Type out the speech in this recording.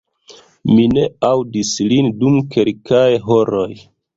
Mi ne aŭdis lin dum kelkaj horoj